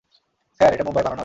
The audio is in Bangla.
স্যার, এটা মুম্বাইয়ে বানানো হয়।